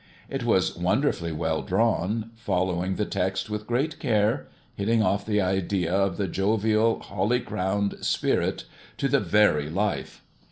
It was wonderfully well drawn, following the text with great care, hitting off the idea of the jovial, holly crowned Spirit to the very life.